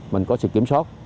mình có sự kiểm soát